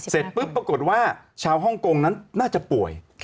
เสร็จปุ๊บปรากฏว่าชาวฮ่องกงนั้นน่าจะป่วย